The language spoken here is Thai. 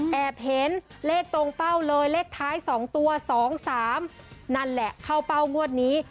แอบเห็นเลขตรงเป้าเลยเลขท้าย๒ตัว๒๓นั่นแหละเข้าเป้างวดนี้